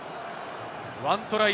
１トライ